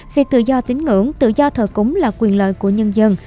việc tự do tín ngưỡng tự do thờ cúng là quyền lợi của nhân dân